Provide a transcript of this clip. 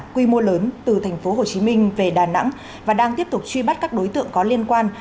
quy mô lớn từ thành phố hồ chí minh về đà nẵng và đang tiếp tục truy bắt các đối tượng có liên quan